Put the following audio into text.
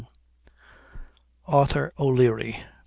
ARTHUR O'LEARY.